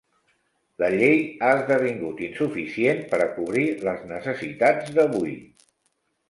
La llei ha esdevingut insuficient per a cobrir les necessitats d'avui.